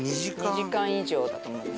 ２時間以上だと思います。